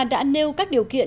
đã nêu các điều kiện